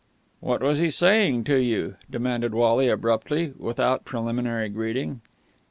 "What was he saying to you?" demanded Wally abruptly, without preliminary greeting.